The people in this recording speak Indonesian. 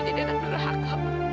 jadi anak nuraka